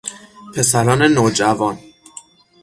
پسران نوجوان